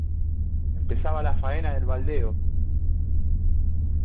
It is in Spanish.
empezaba la faena del baldeo.